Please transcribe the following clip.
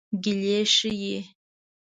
ګیلې ښيي.